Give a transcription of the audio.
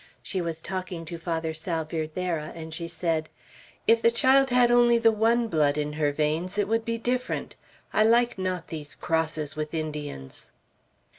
She was talking to Father Salvierderra, and she said, 'If the child had only the one blood in her veins, it would be different. I like not these crosses with Indians.'"